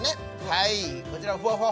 はいこちらふわふわ